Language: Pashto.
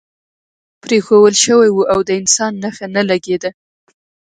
پرېښوول شوی و او د انسان نښه نه لګېده.